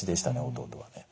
弟はね。